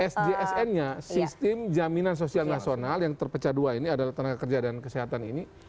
sjsn nya sistem jaminan sosial nasional yang terpecah dua ini adalah tenaga kerja dan kesehatan ini